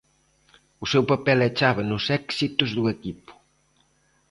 O seu papel é chave nos éxitos do equipo.